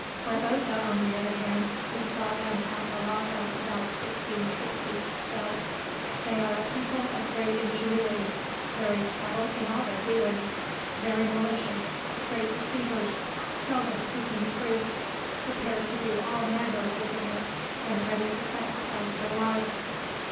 Barbosa, on the other hand, who saw them at Malacca about 1660, says: "They are a people of great ingenuity, very subtle in all their dealings; very malicious, great deceivers, seldom speaking the truth; prepared to do all manner of wickedness, and ready to sacrifice their lives."